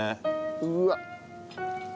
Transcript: うわっ。